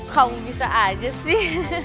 kamu bisa aja sih